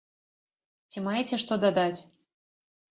Ці маеце што дадаць?